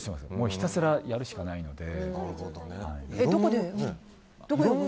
ひたすらやるしかないので。